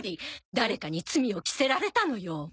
誰かに罪を着せられたのよ！